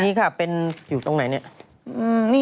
นี่ค่ะอยู่ตรงไหนนี่